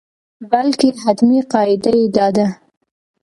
بلکې حتمي قاعده یې دا ده.